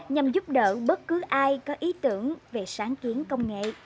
nhằm giúp đỡ bất cứ ai có ý tưởng về sáng kiến công nghệ